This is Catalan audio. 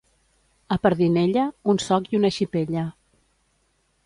A Pardinella, un soc i una xipella.